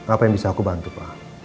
apa yang bisa aku bantu pak